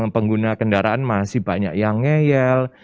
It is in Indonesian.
pengguna kendaraan masih banyak yang ngeyel